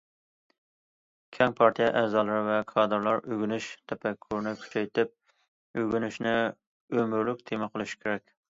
كەڭ پارتىيە ئەزالىرى ۋە كادىرلار ئۆگىنىش تەپەككۇرىنى كۈچەيتىپ، ئۆگىنىشنى ئۆمۈرلۈك تېما قىلىشى كېرەك.